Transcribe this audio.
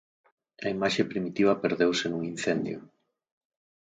A imaxe primitiva perdeuse nun incendio.